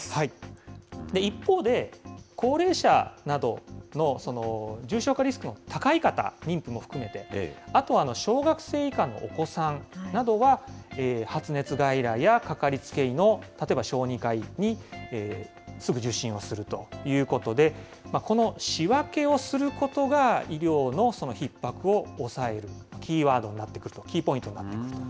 一方で、高齢者などの重症化リスクの高い方、妊婦も含めて、あとは小学生以下のお子さんなどは、発熱外来やかかりつけ医の、例えば小児科医にすぐ受診をするということで、この仕分けをすることが医療のひっ迫を抑えるキーワードになってくると、キーポイントになってくると。